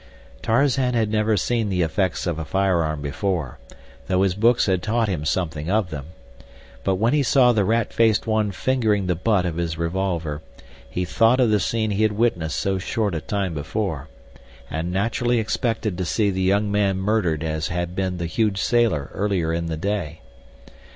Tarzan had never seen the effects of a firearm before, though his books had taught him something of them, but when he saw the rat faced one fingering the butt of his revolver he thought of the scene he had witnessed so short a time before, and naturally expected to see the young man murdered as had been the huge sailor earlier in the day.